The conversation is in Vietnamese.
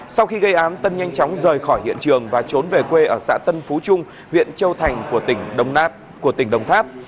sau khi gây ám tân nhanh chóng rời khỏi hiện trường và trốn về quê ở xã tân phú trung huyện châu thành của tỉnh đồng tháp